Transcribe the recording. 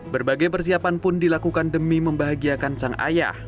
berbagai persiapan pun dilakukan demi membahagiakan sang ayah